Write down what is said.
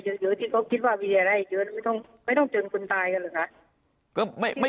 หรือที่เขาคิดว่าวิทยาละเอียดเชื้อไม่ต้องเจริญคุณตายกันหรือคะ